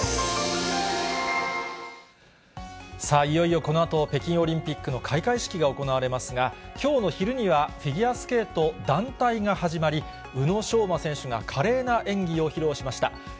いよいよこのあと、北京オリンピックの開会式が行われますが、きょうの昼には、フィギュアスケート団体が始まり、宇野昌磨選手が華麗な演技を披露しました。